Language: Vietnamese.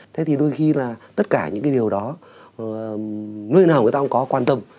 thế thì đôi khi là tất cả những cái điều đó nơi nào người ta cũng có quan tâm